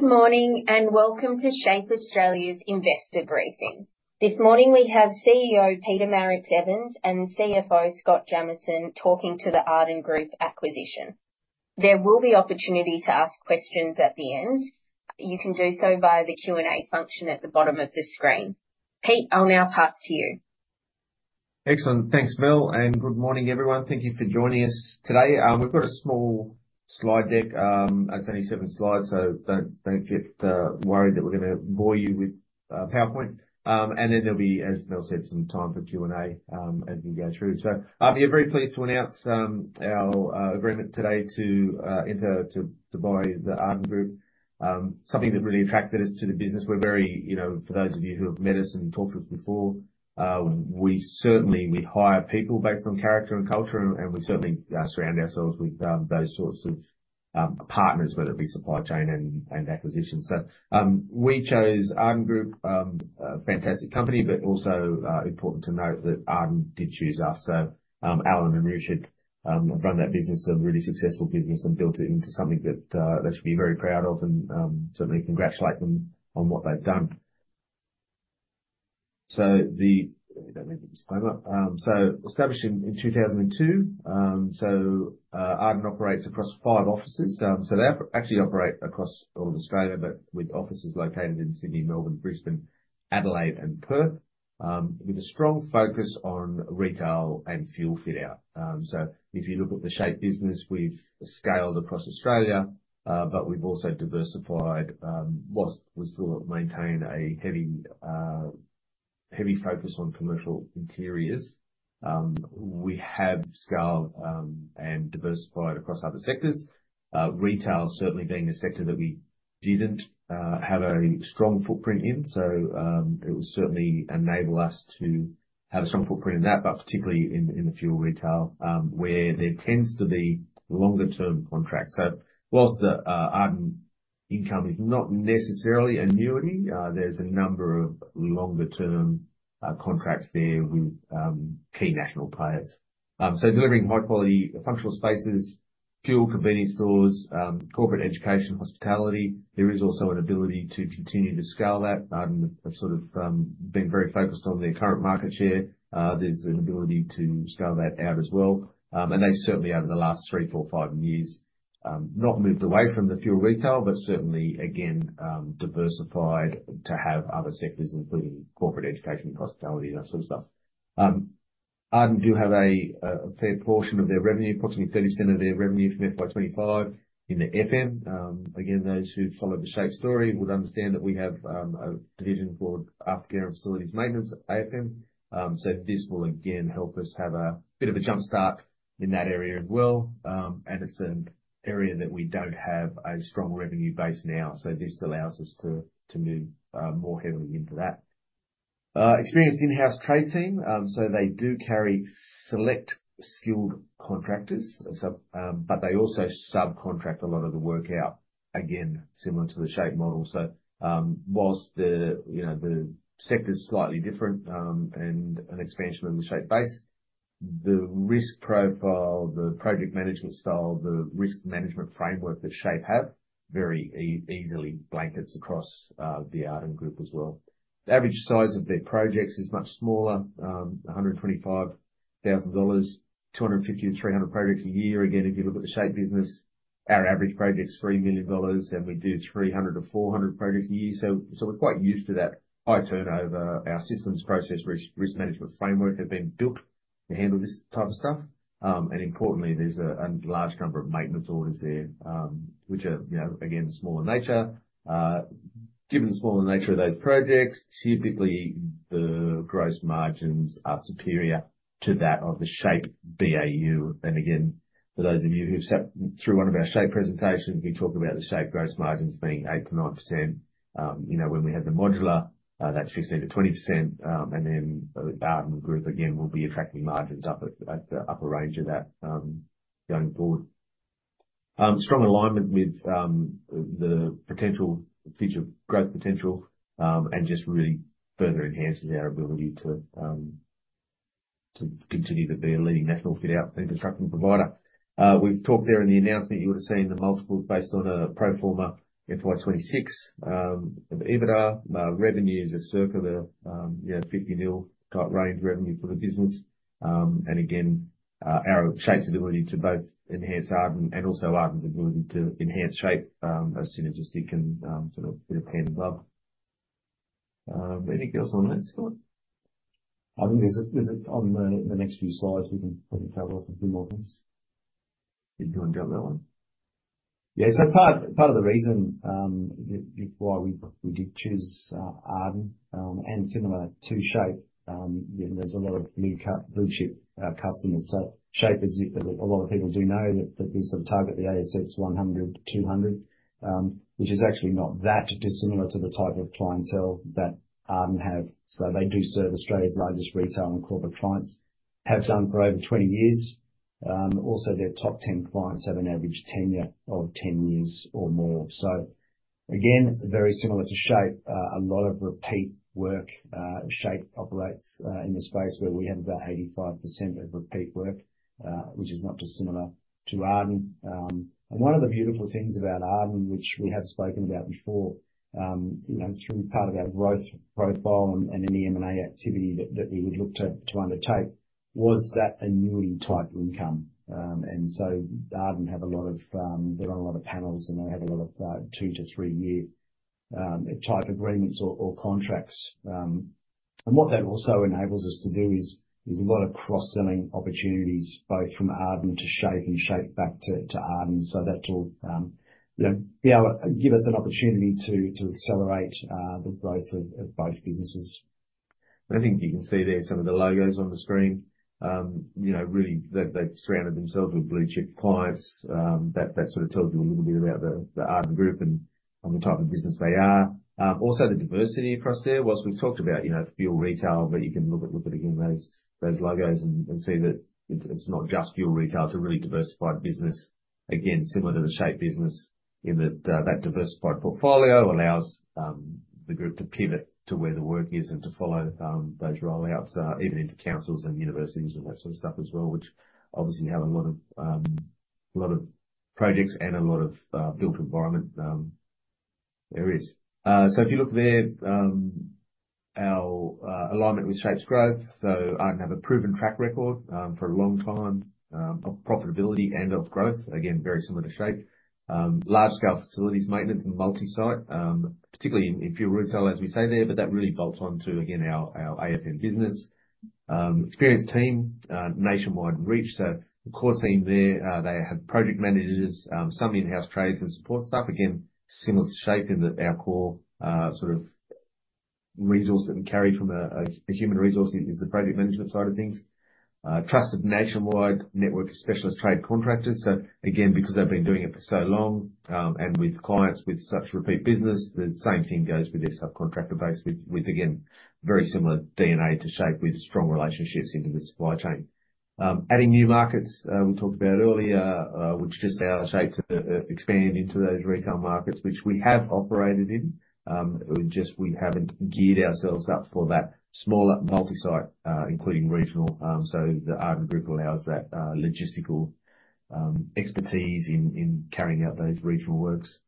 Good morning and welcome to SHAPE Australia's Investor Briefing. This morning we have CEO Peter Marix-Evans and CFO Scott Jamieson talking to the Arden Group acquisition. There will be opportunity to ask questions at the end. You can do so via the Q&A function at the bottom of the screen. Pete, I'll now pass to you. Excellent. Thanks, Mel, and good morning, everyone. Thank you for joining us today. We've got a small slide deck. It's only seven slides, so don't get worried that we're going to bore you with PowerPoint. And then there'll be, as Mel said, some time for Q&A as we go through. So we're very pleased to announce our agreement today to enter to buy the Arden Group, something that really attracted us to the business. We're very, you know, for those of you who have met us and talked to us before, we certainly hire people based on character and culture, and we certainly surround ourselves with those sorts of partners, whether it be supply chain and acquisition. So we chose Arden Group, a fantastic company, but also important to note that Arden did choose us. Alan and Richard run that business, a really successful business, and built it into something that they should be very proud of, and certainly congratulate them on what they've done. Established in 2002. Arden operates across five offices. They actually operate across all of Australia, but with offices located in Sydney, Melbourne, Brisbane, Adelaide, and Perth, with a strong focus on retail and fuel fit-out. If you look at the SHAPE business, we've scaled across Australia, but we've also diversified while we still maintain a heavy focus on commercial interiors. We have scaled and diversified across other sectors, retail certainly being a sector that we didn't have a strong footprint in. It will certainly enable us to have a strong footprint in that, but particularly in the fuel retail, where there tends to be longer-term contracts. So while the Arden income is not necessarily annuity, there's a number of longer-term contracts there with key national players. So delivering high-quality functional spaces, fuel convenience stores, corporate education, hospitality. There is also an ability to continue to scale that. Arden have sort of been very focused on their current market share. There's an ability to scale that out as well. And they certainly, over the last three, four, five years, not moved away from the fuel retail, but certainly, again, diversified to have other sectors, including corporate education, hospitality, that sort of stuff. Arden do have a fair portion of their revenue, approximately 30% of their revenue from FY 2025 in AFM. Again, those who follow the SHAPE story would understand that we have a division called Aftercare and Facilities Maintenance, AFM. So this will, again, help us have a bit of a jumpstart in that area as well. And it's an area that we don't have a strong revenue base now. So this allows us to move more heavily into that. Experienced in-house trade team. So they do carry select skilled contractors, but they also subcontract a lot of the work out, again, similar to the SHAPE model. So while the sector's slightly different and an expansion of the SHAPE base, the risk profile, the project management style, the risk management framework that SHAPE have very easily blankets across the Arden Group as well. The average size of their projects is much smaller, 125,000 dollars, 250-300 projects a year. Again, if you look at the SHAPE business, our average project's 3 million dollars, and we do 300-400 projects a year. So we're quite used to that high turnover. Our systems process risk management framework has been built to handle this type of stuff. Importantly, there's a large number of maintenance orders there, which are, again, smaller nature. Given the smaller nature of those projects, typically the gross margins are superior to that of the SHAPE BAU. Again, for those of you who've sat through one of our SHAPE presentations, we talk about the SHAPE gross margins being 8%-9%. You know, when we have the modular, that's 15%-20%. Then the Arden Group, again, will be attracting margins up at the upper range of that going forward. Strong alignment with the potential growth potential and just really further enhances our ability to continue to be a leading national fit-out and construction provider. We've talked there in the announcement, you would have seen the multiples based on a pro forma FY 2026 EBITDA. Revenue is circa, you know, 50 million type range revenue for the business. Again, our SHAPE's ability to both enhance Arden and also Arden's ability to enhance SHAPE as soon as it can sort of hit a hand in glove. Anything else on that, Scott? I think there's a, is it on the next few slides we can cover off a few more things? Keep going down that one. Yeah, so part of the reason why we did choose Arden and similar to SHAPE, there's a lot of blue chip customers. So SHAPE, as a lot of people do know, that they sort of target the ASX 100, ASX 200, which is actually not that dissimilar to the type of clientele that Arden have. So they do serve Australia's largest retail and corporate clients, have done for over 20 years. Also, their top 10 clients have an average tenure of 10 years or more. So again, very similar to SHAPE, a lot of repeat work. SHAPE operates in the space where we have about 85% of repeat work, which is not dissimilar to Arden. One of the beautiful things about Arden, which we have spoken about before, you know, through part of our growth profile and any M&A activity that we would look to undertake, was that annuity type income. Arden have a lot of, they run a lot of panels, and they have a lot of two- to three-year type agreements or contracts. What that also enables us to do is a lot of cross-selling opportunities, both from Arden to SHAPE and SHAPE back to Arden. That'll give us an opportunity to accelerate the growth of both businesses. I think you can see there some of the logos on the screen, you know, really they've surrounded themselves with blue chip clients. That sort of tells you a little bit about the Arden Group and the type of business they are. Also the diversity across there, whilst we've talked about, you know, fuel retail, but you can look at, look at again those logos and see that it's not just fuel retail. It's a really diversified business. Again, similar to the SHAPE business in that that diversified portfolio allows the group to pivot to where the work is and to follow those rollouts, even into councils and universities and that sort of stuff as well, which obviously have a lot of projects and a lot of built environment areas. So if you look there, our alignment with SHAPE's growth. So Arden have a proven track record for a long time of profitability and of growth. Again, very similar to SHAPE. Large scale facilities maintenance and multi-site, particularly in fuel retail, as we say there, but that really bolts on to, again, our AFM business. Experienced team, nationwide reach. So the core team there, they have project managers, some in-house trades and support staff. Again, similar to SHAPE in that our core sort of resource that we carry from a human resource is the project management side of things. Trusted nationwide network of specialist trade contractors. So again, because they've been doing it for so long and with clients with such repeat business, the same thing goes with their subcontractor base, with, again, very similar DNA to SHAPE with strong relationships into the supply chain. Adding new markets, we talked about earlier, which just allow SHAPE to expand into those retail markets, which we have operated in. We just, we haven't geared ourselves up for that smaller multi-site, including regional. So the Arden Group allows that logistical expertise in carrying out those regional works.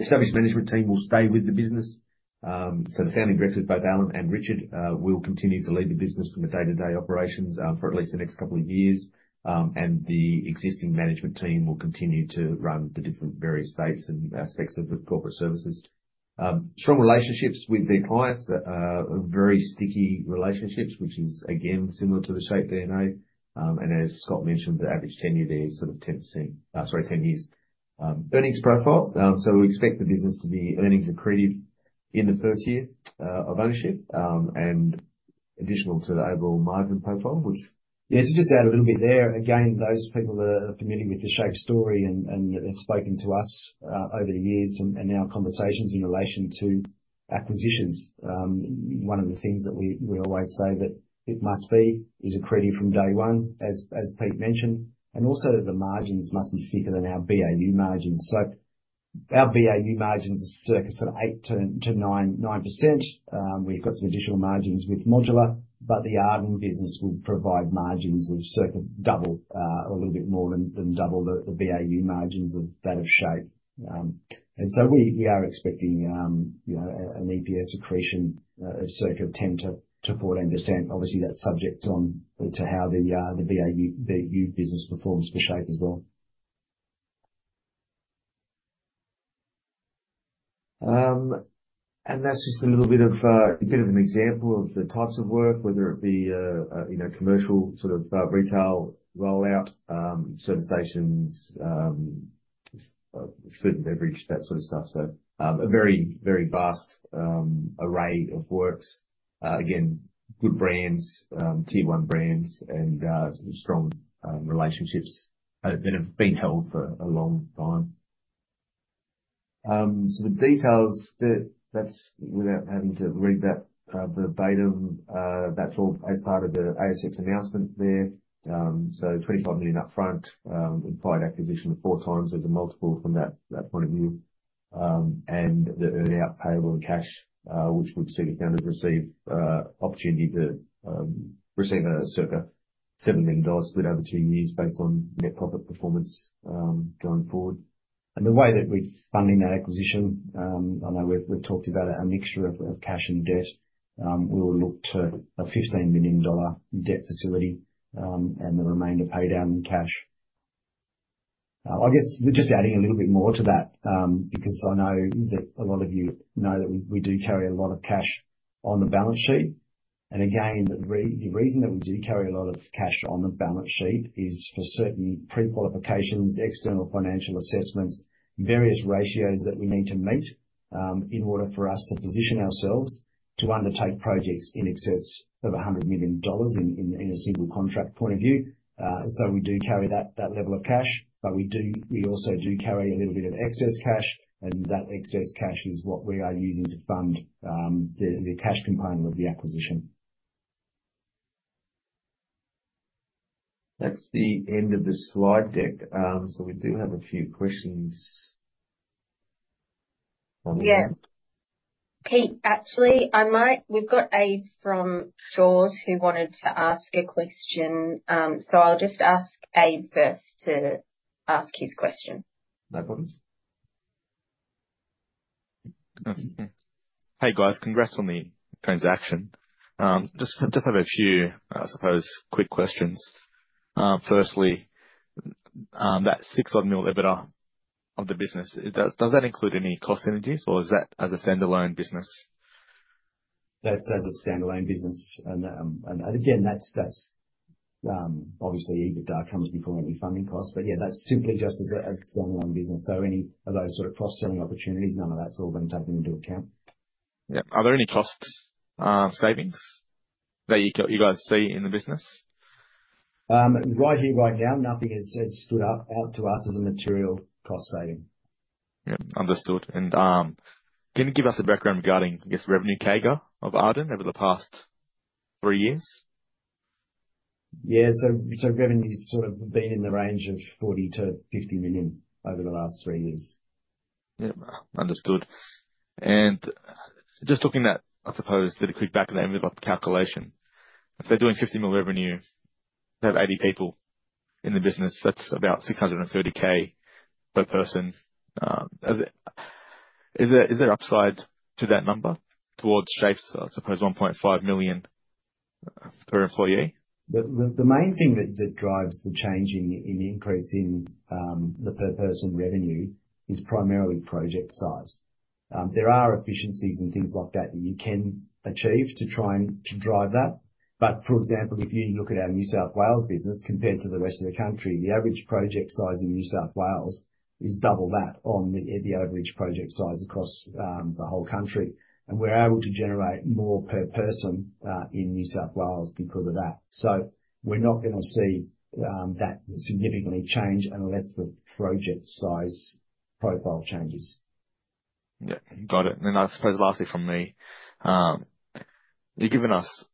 Established management team will stay with the business. So the founding directors, both Alan and Richard, will continue to lead the business from the day-to-day operations for at least the next couple of years. And the existing management team will continue to run the different various states and aspects of the corporate services. Strong relationships with their clients, very sticky relationships, which is again similar to the SHAPE DNA. And as Scott mentioned, the average tenure there is sort of 10%, sorry, 10 years. Earnings profile. We expect the business to be earnings accretive in the first year of ownership and additional to the overall margin profile, which. Yeah, so just add a little bit there. Again, those people that are familiar with the SHAPE story and have spoken to us over the years and our conversations in relation to acquisitions, one of the things that we always say that it must be is accretive from day one, as Pete mentioned, and also the margins must be thicker than our BAU margins, so our BAU margins are circa sort of 8%-9%. We've got some additional margins with modular, but the Arden business will provide margins of circa double, a little bit more than double the BAU margins of that of SHAPE, and so we are expecting, you know, an EPS accretion of circa 10%-14%. Obviously, that's subject to how the BAU business performs for SHAPE as well. And that's just a little bit of an example of the types of work, whether it be a commercial sort of retail rollout, service stations, food and beverage, that sort of stuff. So a very, very vast array of works. Again, good brands, tier one brands, and strong relationships that have been held for a long time. So the details, that's without having to read that verbatim. That's all as part of the ASX announcement there. So 25 million upfront, acquired acquisition of four times as a multiple from that point of view. And the earnout payable in cash, which would see the founders receive opportunity to receive a circa 7 million dollar split over two years based on net profit performance going forward. The way that we're funding that acquisition, I know we've talked about a mixture of cash and debt. We will look to a 15 million dollar debt facility and the remainder paid out in cash. I guess we're just adding a little bit more to that because I know that a lot of you know that we do carry a lot of cash on the balance sheet. Again, the reason that we do carry a lot of cash on the balance sheet is for certain pre-qualifications, external financial assessments, various ratios that we need to meet in order for us to position ourselves to undertake projects in excess of 100 million dollars in a single contract point of view. We do carry that level of cash, but we also do carry a little bit of excess cash. That excess cash is what we are using to fund the cash component of the acquisition. That's the end of the slide deck, so we do have a few questions. Yeah. Pete, actually, I might. We've got Abe from Shaws who wanted to ask a question. So I'll just ask Abe first to ask his question. No problem. Hey guys, congrats on the transaction. Just have a few, I suppose, quick questions. Firstly, that 6 odd million EBITDA of the business, does that include any cost synergies or is that as a standalone business? That's as a standalone business. And again, that's obviously EBITDA comes before any funding costs. But yeah, that's simply just as a standalone business. So any of those sort of cross-selling opportunities, none of that's all been taken into account. Yeah. Are there any cost savings that you guys see in the business? Right here, right now, nothing has stood out to us as a material cost saving. Yeah. Understood. And can you give us a background regarding, I guess, revenue CAGR of Arden over the past three years? Yeah, so revenue's sort of been in the range of 40 million-50 million over the last three years. Yeah. Understood. And just looking at, I suppose, a bit of quick background of the calculation. If they're doing 50 million revenue, they have 80 people in the business, that's about 630,000 per person. Is there upside to that number towards SHAPE's, I suppose, 1.5 million per employee? The main thing that drives the change in the increase in the per person revenue is primarily project size. There are efficiencies and things like that that you can achieve to try and drive that. But for example, if you look at our New South Wales business compared to the rest of the country, the average project size in New South Wales is double that on the average project size across the whole country. And we're able to generate more per person in New South Wales because of that. So we're not going to see that significantly change unless the project size profile changes. Yeah. Got it. And then I suppose lastly from me, you've given us,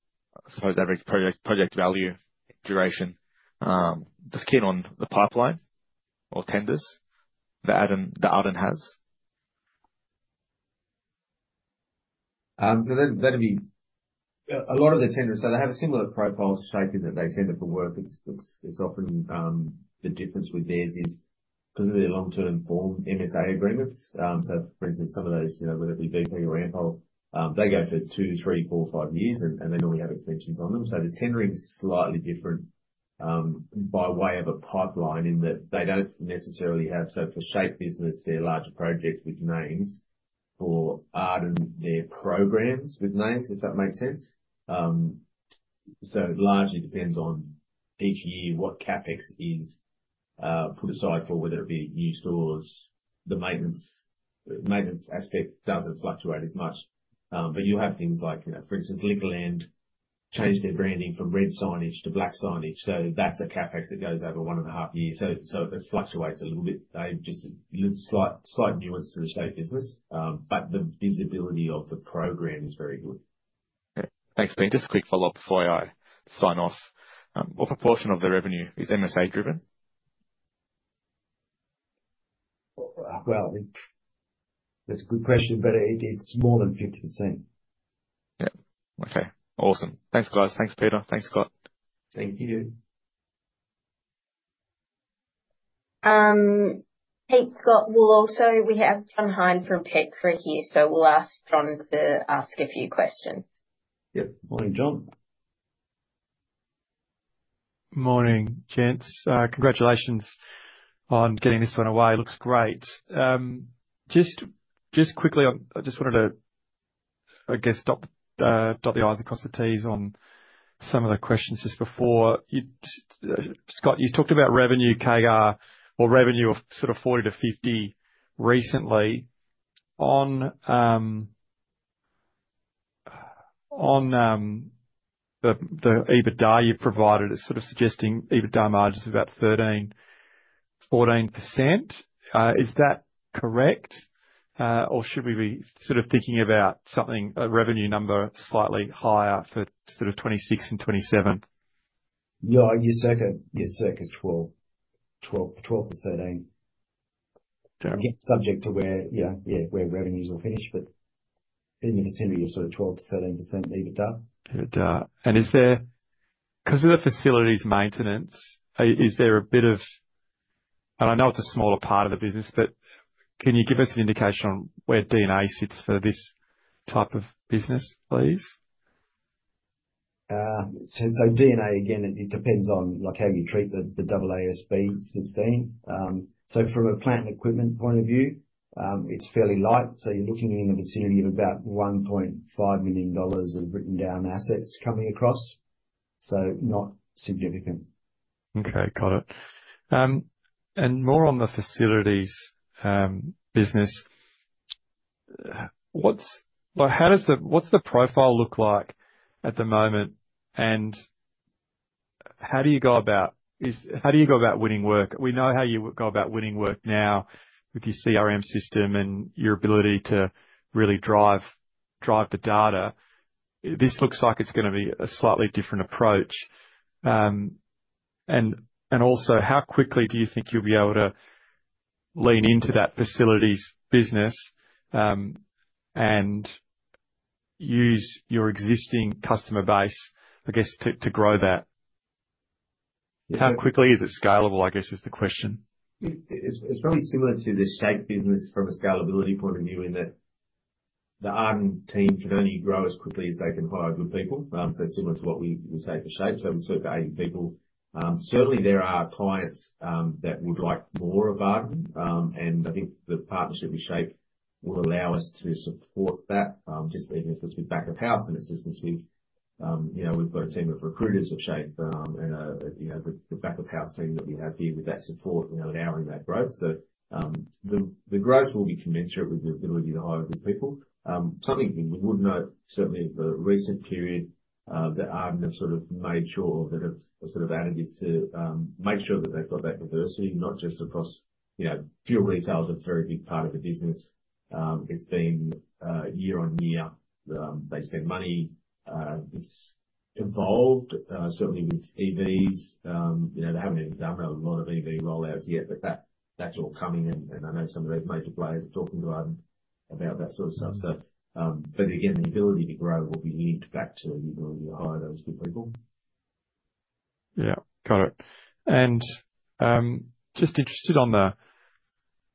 I suppose, average project value duration, just keen on the pipeline or tenders that Arden has? That'd be a lot of the tenders. They have a similar profile to SHAPE in that they tender for work. It's often the difference with theirs is because of their long-term firm MSA agreements. For instance, some of those, whether it be BP or Ampol, they go for two, three, four, five years, and then we have extensions on them. The tendering is slightly different by way of a pipeline in that they don't necessarily have, so for SHAPE business, they're larger projects with names for Arden, their programs with names, if that makes sense. It largely depends on each year what CapEx is put aside for, whether it be new stores. The maintenance aspect doesn't fluctuate as much. You'll have things like, for instance, Liquorland changed their branding from red signage to black signage. That's a CapEx that goes over one and a half years. So it fluctuates a little bit. Just slight nuance to the SHAPE business, but the visibility of the program is very good. Okay. Thanks, Pete. Just a quick follow-up before I sign off. What proportion of the revenue is MSA driven? Well, that's a good question, but it's more than 50%. Yeah. Okay. Awesome. Thanks, guys. Thanks, Peter. Thanks, Scott. Thank you. Pete, Scott, we'll also, we have John Hine from Petra here, so we'll ask John to ask a few questions. Yep. Morning, John. Morning, gents. Congratulations on getting this one away. Looks great. Just quickly, I just wanted to, I guess, dot the i's and cross the t's on some of the questions just before. Scott, you talked about revenue CAGR or revenue of sort of 40%-50% recently. On the EBITDA you've provided, it's sort of suggesting EBITDA margins are about 13%-14%. Is that correct? Or should we be sort of thinking about something, a revenue number slightly higher for sort of 2026 and 2027? Yeah. You're circa 12%-13%. Subject to where, yeah, where revenues will finish, but in the percentage of sort of 12%-13% EBITDA. EBITDA. And is there, because of the facilities maintenance, is there a bit of, and I know it's a smaller part of the business, but can you give us an indication on where D&A sits for this type of business, please? D&A, again, it depends on how you treat the AASB 16. From a plant and equipment point of view, it's fairly light. You're looking in the vicinity of about 1.5 million dollars of written down assets coming across. Not significant. Okay. Got it. And more on the facilities business. What's the profile look like at the moment? And how do you go about winning work? We know how you go about winning work now with your CRM system and your ability to really drive the data. This looks like it's going to be a slightly different approach. And also, how quickly do you think you'll be able to lean into that facilities business and use your existing customer base, I guess, to grow that? How quickly is it scalable, I guess, is the question? It's probably similar to the SHAPE business from a scalability point of view in that the Arden team can only grow as quickly as they can hire good people. So similar to what we say for SHAPE, so we serve 80 people. Certainly, there are clients that would like more of Arden. And I think the partnership with SHAPE will allow us to support that, just even if it's with back-of-house and assistance with, we've got a team of recruiters at SHAPE and the back-of-house team that we have here with that support and allowing that growth. So the growth will be commensurate with the ability to hire good people. Something we would note, certainly in the recent period, that Arden have sort of made sure to make sure that they've got that diversity, not just across fuel retail is a very big part of the business. It's been. But year on year, they spend money. It's evolved, certainly with EVs. They haven't even done a lot of EV rollouts yet, but that's all coming. And I know some of those major players are talking to Arden about that sort of stuff. But again, the ability to grow will be linked back to the ability to hire those good people. Yeah. Got it. And just interested on the,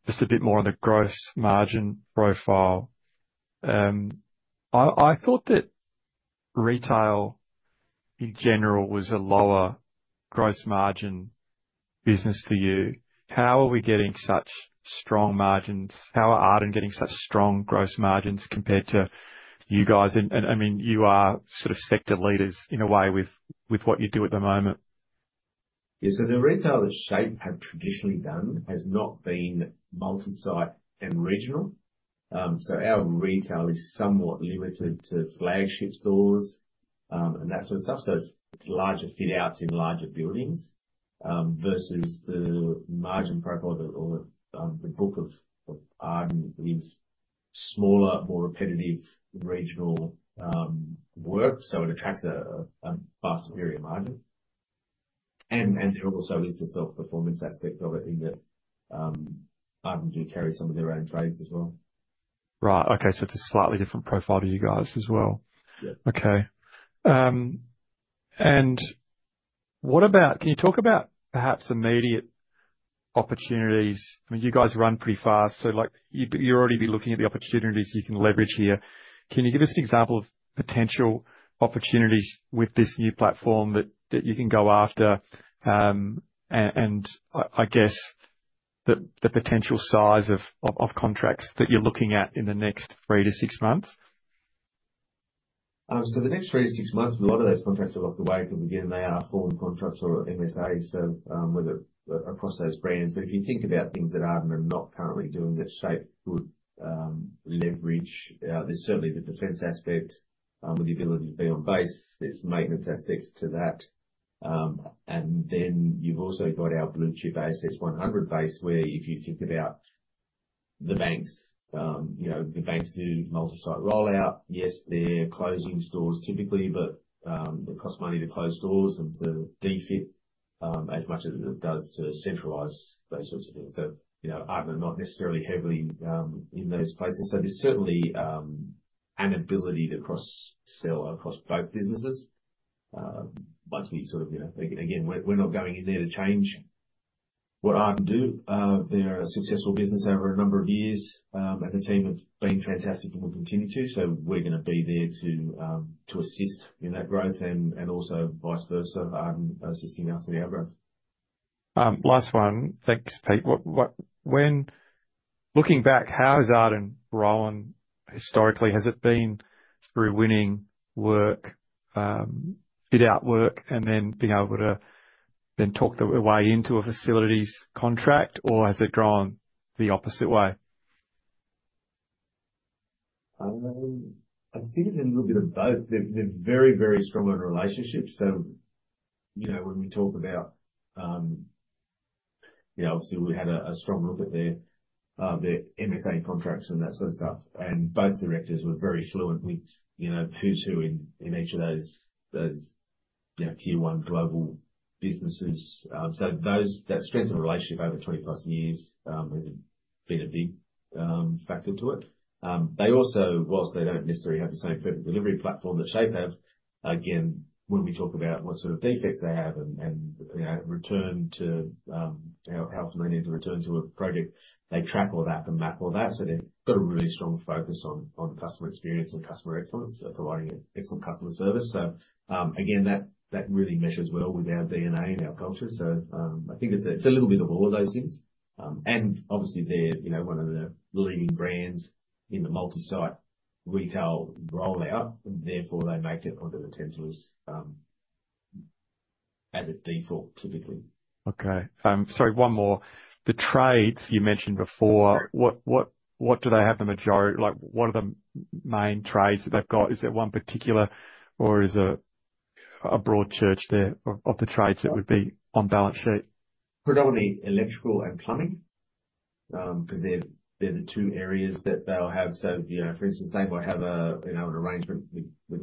just a bit more on the gross margin profile. I thought that retail in general was a lower gross margin business for you. How are we getting such strong margins? How are Arden getting such strong gross margins compared to you guys? And I mean, you are sort of sector leaders in a way with what you do at the moment. Yeah. So the retail that SHAPE have traditionally done has not been multi-site and regional. So our retail is somewhat limited to flagship stores and that sort of stuff. So it's larger fit-outs in larger buildings versus the margin profile or the book of Arden is smaller, more repetitive regional work. So it attracts a vastly superior margin. And there also is the self-performance aspect of it in that Arden do carry some of their own trades as well. Right. Okay, so it's a slightly different profile to you guys as well. Yeah. Okay. And what about, can you talk about perhaps immediate opportunities? I mean, you guys run pretty fast. So you're already looking at the opportunities you can leverage here. Can you give us an example of potential opportunities with this new platform that you can go after and I guess the potential size of contracts that you're looking at in the next three to six months? So the next three to six months, a lot of those contracts are locked away because again, they are foreign contracts or MSAs across those brands. But if you think about things that Arden are not currently doing that SHAPE would leverage, there's certainly the defense aspect with the ability to be on base. There's maintenance aspects to that. And then you've also got our blue chip ASX 100 base where if you think about the banks, the banks do multi-site rollout. Yes, they're closing stores typically, but it costs money to close stores and to defit as much as it does to centralize those sorts of things. So Arden are not necessarily heavily in those places. So there's certainly an ability to cross-sell across both businesses once we sort of, again, we're not going in there to change what Arden do. They're a successful business over a number of years, and the team have been fantastic and will continue to, so we're going to be there to assist in that growth and also vice versa, assisting us in our growth. Last one. Thanks, Pete. Looking back, how has Arden grown historically? Has it been through winning work, fit-out work, and then being able to then talk their way into a facilities contract? Or has it grown the opposite way? I think it's a little bit of both. They're very, very strong on relationships. So when we talk about, obviously, we had a strong look at their MSA contracts and that sort of stuff, and both directors were very fluent with who's who in each of those tier one global businesses, so that strength of relationship over 20 plus years has been a big factor to it. They also, while they don't necessarily have the same perfect delivery platform that SHAPE have, again, when we talk about what sort of defects they have and return to how often they need to return to a project, they track all that and map all that, so they've got a really strong focus on customer experience and customer excellence, providing excellent customer service, so again, that really meshes well with our DNA and our culture. So I think it's a little bit of all of those things. And obviously, they're one of the leading brands in the multi-site retail rollout. And therefore, they make it onto the tenders as a default typically. Okay. Sorry, one more. The trades you mentioned before, what do they have the majority? What are the main trades that they've got? Is there one particular or is there a broad church there of the trades that would be on balance sheet? Predominantly electrical and plumbing, because they're the two areas that they'll have. So for instance, they might have an arrangement with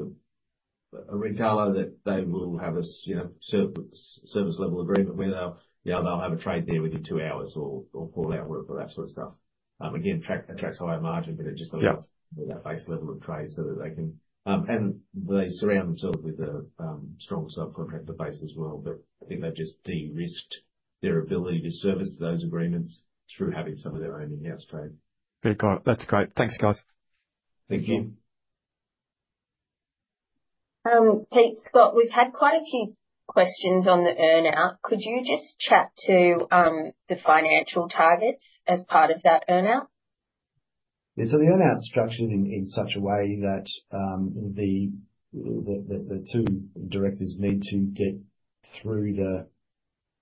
a retailer that they will have a service level agreement where they'll have a trade there within two hours or follow-up work or that sort of stuff. Again, attracts higher margin, but it just allows for that base level of trade so that they can, and they surround themselves with a strong subcontractor base as well. But I think they've just de-risked their ability to service those agreements through having some of their own in-house trade. Very good. That's great. Thanks, guys. Thank you. Pete, Scott, we've had quite a few questions on the earnout. Could you just chat to the financial targets as part of that earnout? Yeah. So the earnout's structured in such a way that the two directors need to get through the,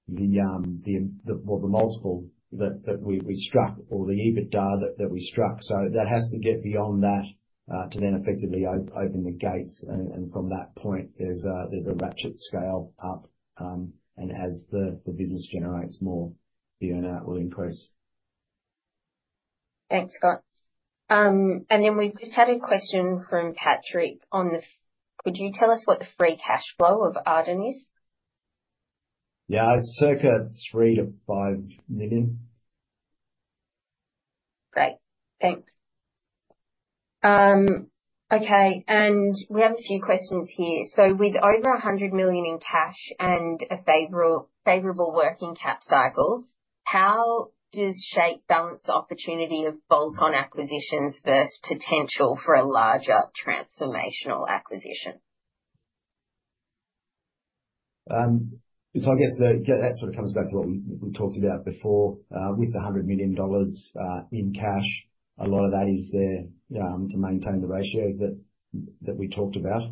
well, the multiple that we struck or the EBITDA that we struck. So that has to get beyond that to then effectively open the gates. And from that point, there's a ratchet scale up. And as the business generates more, the earnout will increase. Thanks, Scott. And then we just had a question from Patrick on this. Could you tell us what the free cash flow of Arden is? Yeah. It's circa 3 million-5 million. Great. Thanks. Okay. We have a few questions here. With over 100 million in cash and a favorable working cap cycle, how does SHAPE balance the opportunity of bolt-on acquisitions versus potential for a larger transformational acquisition? So I guess that sort of comes back to what we talked about before. With the 100 million dollars in cash, a lot of that is there to maintain the ratios that we talked about.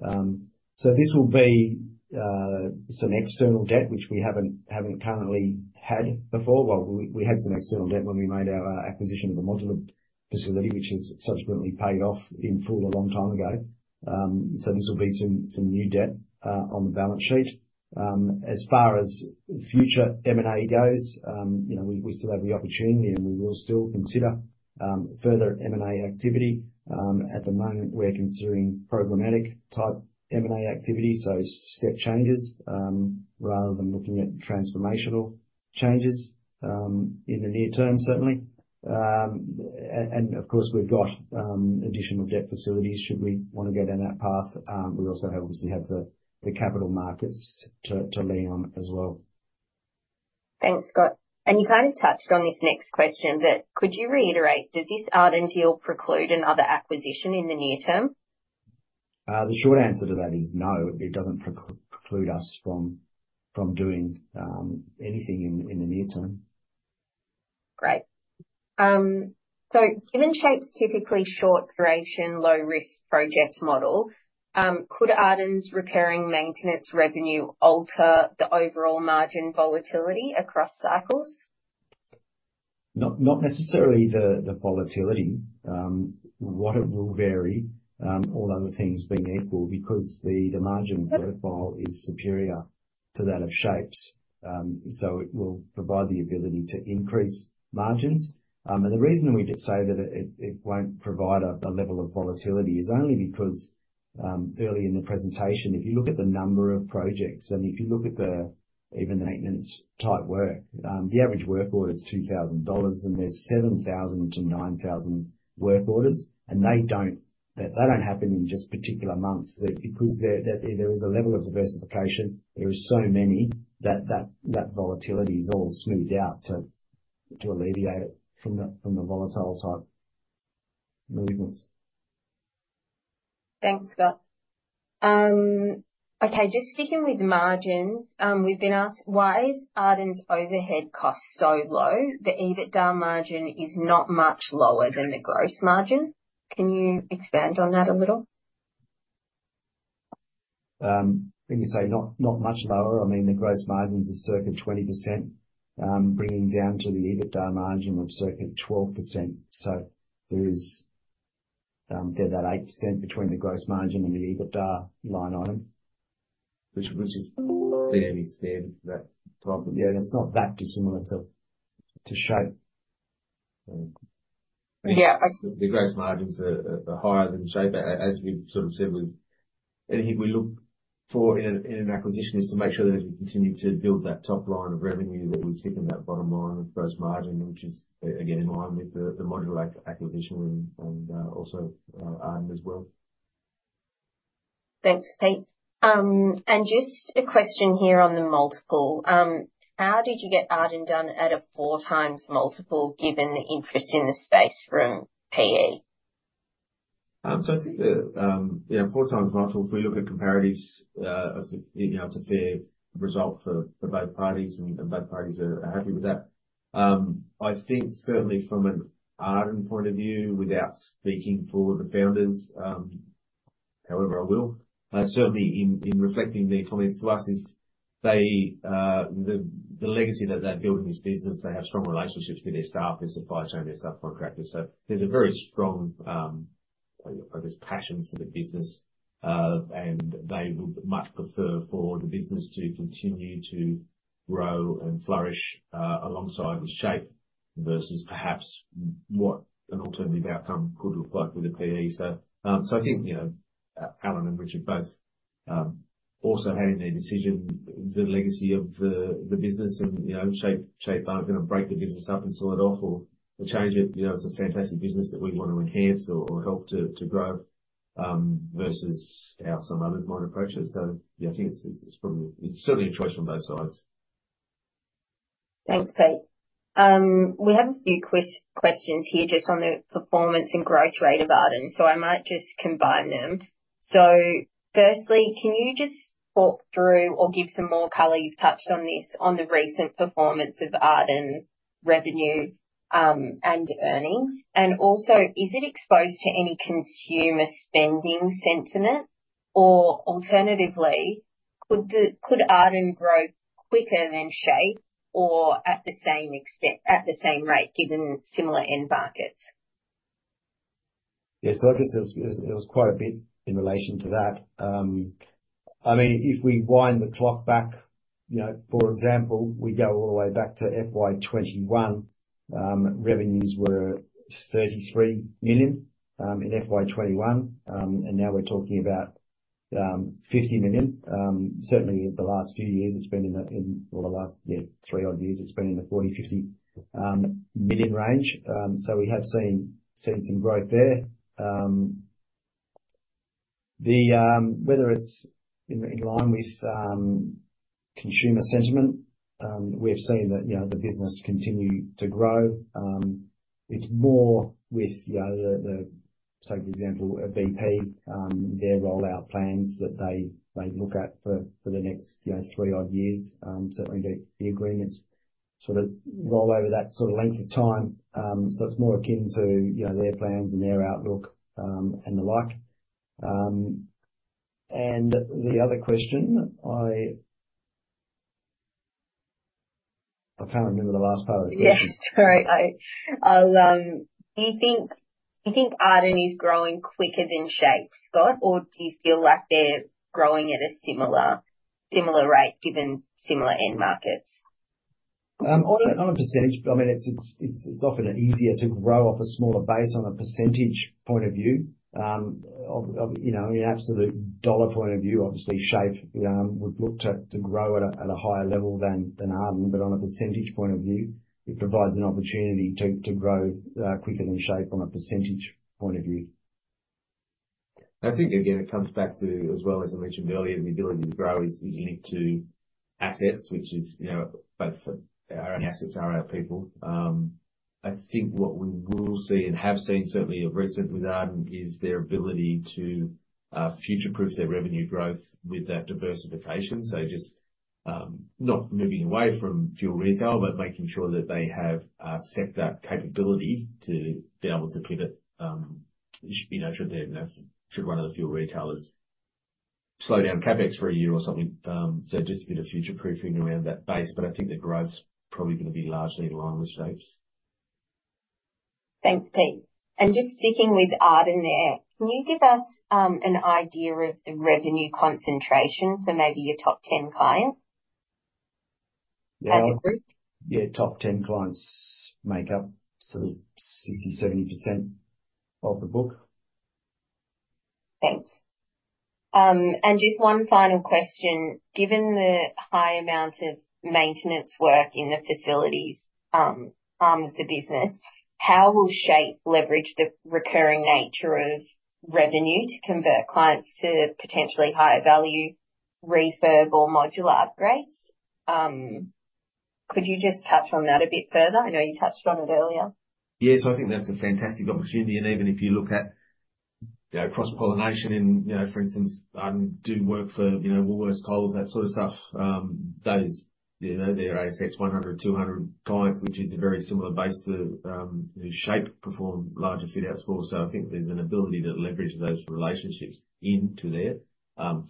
So this will be some external debt, which we haven't currently had before. Well, we had some external debt when we made our acquisition of the modular facility, which has subsequently paid off in full a long time ago. So this will be some new debt on the balance sheet. As far as future M&A goes, we still have the opportunity and we will still consider further M&A activity. At the moment, we're considering programmatic type M&A activity, so step changes rather than looking at transformational changes in the near term, certainly. And of course, we've got additional debt facilities should we want to go down that path. We also obviously have the capital markets to lean on as well. Thanks, Scott. And you kind of touched on this next question, but could you reiterate, does this Arden deal preclude another acquisition in the near term? The short answer to that is no. It doesn't preclude us from doing anything in the near term. Great. So given SHAPE's typically short duration, low-risk project model, could Arden's recurring maintenance revenue alter the overall margin volatility across cycles? Not necessarily the volatility. What it will vary, all other things being equal, because the margin profile is superior to that of SHAPE's, so it will provide the ability to increase margins, and the reason we say that it won't provide a level of volatility is only because early in the presentation, if you look at the number of projects and if you look at even the maintenance type work, the average work order is 2,000 dollars and there's 7,000-9,000 work orders, and they don't happen in just particular months. Because there is a level of diversification, there are so many that that volatility is all smoothed out to alleviate it from the volatile type movements. Thanks, Scott. Okay. Just sticking with margins, we've been asked, why is Arden's overhead cost so low? The EBITDA margin is not much lower than the gross margin. Can you expand on that a little? When you say not much lower, I mean the gross margins of circa 20%, bringing down to the EBITDA margin of circa 12%. So there is that 8% between the gross margin and the EBITDA line item, which is clearly spared that problem. Yeah. It's not that dissimilar to SHAPE. Yeah. The gross margins are higher than SHAPE. As we've sort of said, we look for in an acquisition is to make sure that as we continue to build that top line of revenue, that we sit in that bottom line of gross margin, which is, again, in line with the modular acquisition and also Arden as well. Thanks, Pete. And just a question here on the multiple. How did you get Arden done at a four times multiple given the interest in the space from PE? I think the four times multiple, if we look at comparatives, it's a fair result for both parties and both parties are happy with that. I think certainly from an Arden point of view, without speaking for the founders, however I will, certainly in reflecting their comments to us, the legacy that they've built in this business, they have strong relationships with their staff, their supply chain, their subcontractors. So there's a very strong, I guess, passion for the business. And they would much prefer for the business to continue to grow and flourish alongside SHAPE versus perhaps what an alternative outcome could look like with the PE. So I think Alan and Richard both also had in their decision the legacy of the business. And SHAPE aren't going to break the business up and sell it off or change it. It's a fantastic business that we want to enhance or help to grow versus how some others might approach it. So I think it's certainly a choice on both sides. Thanks, Pete. We have a few questions here just on the performance and growth rate of Arden. So I might just combine them. So firstly, can you just talk through or give some more color? You've touched on this on the recent performance of Arden revenue and earnings. And also, is it exposed to any consumer spending sentiment? Or alternatively, could Arden grow quicker than SHAPE or at the same rate given similar end markets? Yeah. So I guess there was quite a bit in relation to that. I mean, if we wind the clock back, for example, we go all the way back to FY 2021, revenues were 33 million in FY 2021. And now we're talking about 50 million. Certainly, the last few years, it's been in the last three odd years, it's been in the 40 million-50 million range. So we have seen some growth there. Whether it's in line with consumer sentiment, we've seen the business continue to grow. It's more with, say, for example, BP, their rollout plans that they look at for the next three odd years. Certainly, the agreements sort of roll over that sort of length of time. So it's more akin to their plans and their outlook and the like. And the other question, I can't remember the last part of the question. Yes. Sorry. Do you think Arden is growing quicker than SHAPE, Scott? Or do you feel like they're growing at a similar rate given similar end markets? On a percentage, I mean, it's often easier to grow off a smaller base on a percentage point of view. In absolute dollar point of view, obviously, SHAPE would look to grow at a higher level than Arden, but on a percentage point of view, it provides an opportunity to grow quicker than SHAPE on a percentage point of view. I think, again, it comes back to, as well, as I mentioned earlier, the ability to grow is linked to assets, which is both our own assets, our own people. I think what we will see and have seen, certainly recently with Arden, is their ability to future-proof their revenue growth with that diversification, so just not moving away from fuel retail, but making sure that they have set that capability to be able to pivot should one of the fuel retailers slow down CapEx for a year or something. So just a bit of future-proofing around that base. But I think the growth's probably going to be largely in line with SHAPE's. Thanks, Pete. And just sticking with Arden there, can you give us an idea of the revenue concentration for maybe your top 10 clients as a group? Yeah. Top 10 clients make up sort of 60%-70% of the book. Thanks, and just one final question. Given the high amount of maintenance work in the facilities arm of the business, how will SHAPE leverage the recurring nature of revenue to convert clients to potentially higher value refurb or modular upgrades? Could you just touch on that a bit further? I know you touched on it earlier. Yeah. So I think that's a fantastic opportunity. And even if you look at cross-pollination in, for instance, Arden do work for Woolworths, Coles, that sort of stuff, those ASX 100, ASX 200 clients, which is a very similar base to SHAPE perform larger fit-out scores. So I think there's an ability to leverage those relationships into there.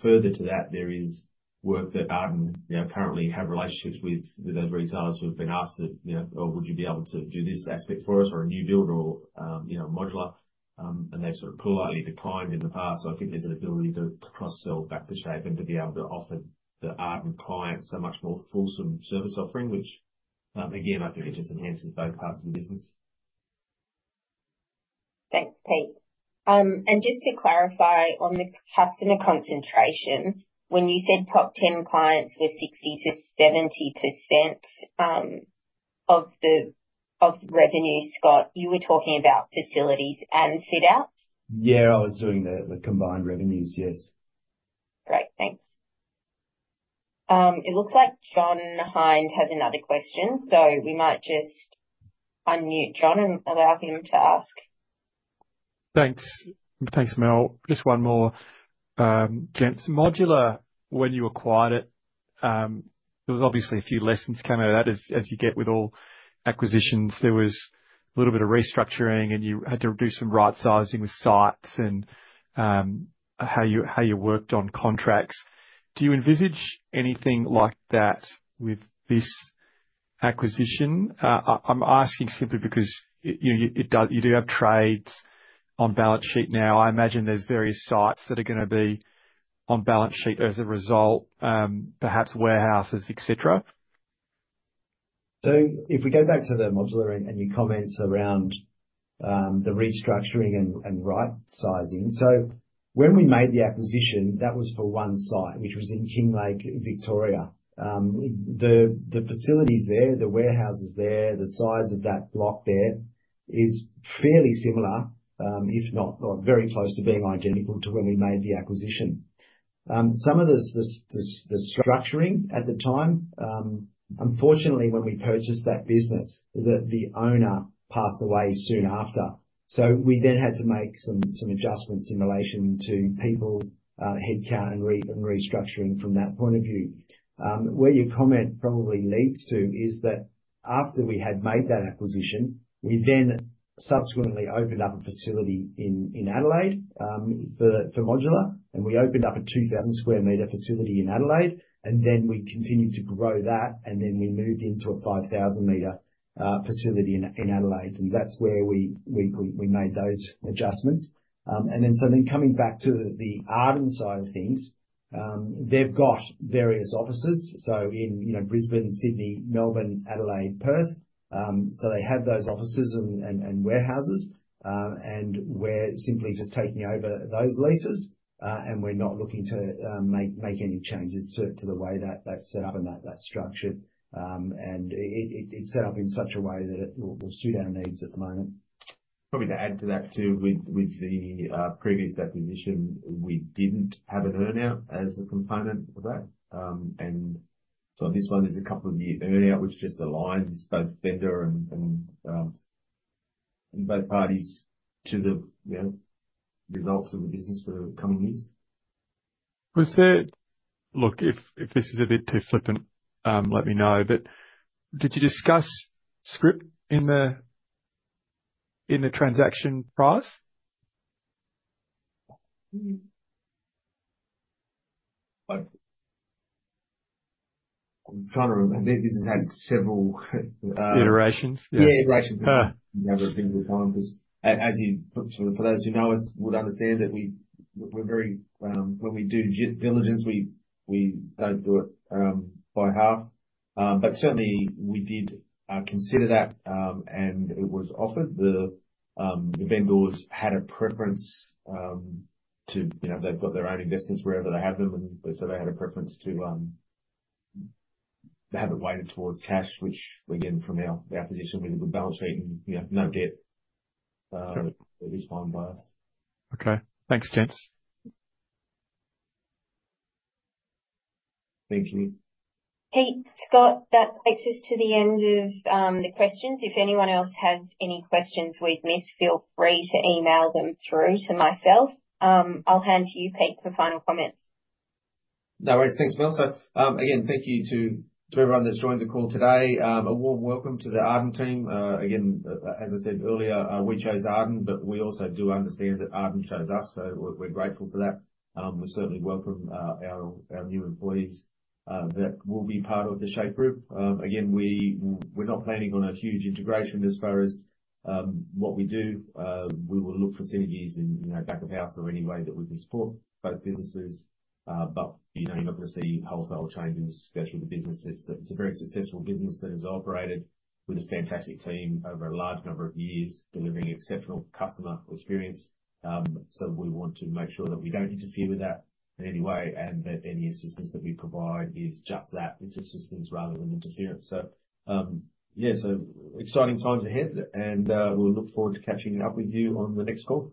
Further to that, there is work that Arden currently have relationships with those retailers who have been asked, "Would you be able to do this aspect for us or a new build or modular?" And they've sort of politely declined in the past. So I think there's an ability to cross-sell back to SHAPE and to be able to offer the Arden clients a much more fulsome service offering, which, again, I think it just enhances both parts of the business. Thanks, Pete. And just to clarify on the customer concentration, when you said top 10 clients were 60%-70% of the revenue, Scott, you were talking about facilities and fit-outs? Yeah. I was doing the combined revenues, yes. Great. Thanks. It looks like John Hine has another question. So we might just unmute John and allow him to ask. Thanks. Thanks, Melanie. Just one more. Gents, modular, when you acquired it, there was obviously a few lessons came out of that as you get with all acquisitions. There was a little bit of restructuring and you had to do some right-sizing with sites and how you worked on contracts. Do you envisage anything like that with this acquisition? I'm asking simply because you do have trades on balance sheet now. I imagine there's various sites that are going to be on balance sheet as a result, perhaps warehouses, etc. So if we go back to the modular and your comments around the restructuring and right-sizing, so when we made the acquisition, that was for one site, which was in Kinglake, Victoria. The facilities there, the warehouses there, the size of that block there is fairly similar, if not very close to being identical to when we made the acquisition. Some of the structuring at the time, unfortunately, when we purchased that business, the owner passed away soon after. So we then had to make some adjustments in relation to people, headcount, and restructuring from that point of view. Where your comment probably leads to is that after we had made that acquisition, we then subsequently opened up a facility in Adelaide for modular. And we opened up a 2,000 sq m facility in Adelaide. And then we continued to grow that. And then we moved into a 5,000 sq m facility in Adelaide. And that's where we made those adjustments. And then coming back to the Arden side of things, they've got various offices. So in Brisbane, Sydney, Melbourne, Adelaide, Perth. So they have those offices and warehouses. And we're simply just taking over those leases. And we're not looking to make any changes to the way that's set up and that structure. And it's set up in such a way that it will suit our needs at the moment. Probably to add to that too, with the previous acquisition, we didn't have an earnout as a component of that, and so this one is a couple of year earnout, which just aligns both vendor and both parties to the results of the business for the coming years. Look, if this is a bit too flippant, let me know. But did you discuss scrip in the transaction price? I'm trying to remember. This has had several iterations. Yeah, iterations. As you know, for those who know us would understand that when we do diligence, we don't do it by half. But certainly, we did consider that. And it was offered. The vendors had a preference that they've got their own investments wherever they have them. And so they had a preference to have it weighted towards cash, which again, from our position, we did with balance sheet and no debt. It was fine by us. Okay. Thanks, Gents. Thank you. Pete, Scott, that takes us to the end of the questions. If anyone else has any questions we've missed, feel free to email them through to myself. I'll hand you, Pete, for final comments. No worries. Thanks, Mel. So again, thank you to everyone that's joined the call today. A warm welcome to the Arden team. Again, as I said earlier, we chose Arden, but we also do understand that Arden chose us. So we're grateful for that. We certainly welcome our new employees that will be part of the SHAPE group. Again, we're not planning on a huge integration as far as what we do. We will look for synergies in back of house or any way that we can support both businesses. But you're not going to see wholesale changes, especially with the business. It's a very successful business that has operated with a fantastic team over a large number of years, delivering exceptional customer experience. So we want to make sure that we don't interfere with that in any way and that any assistance that we provide is just that, it's assistance rather than interference. So yeah, so exciting times ahead. And we'll look forward to catching up with you on the next call.